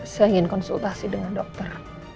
saya ingin konsultasi dengan dokter